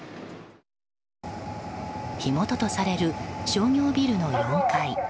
火元とされる商業ビルの４階。